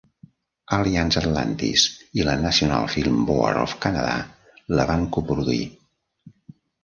Alliance Atlantis i la National Film Board of Canada la van coproduir.